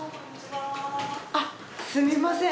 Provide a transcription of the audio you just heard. あっすみません。